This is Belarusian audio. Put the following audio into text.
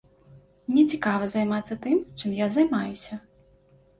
Мне цікава займацца тым, чым я займаюся.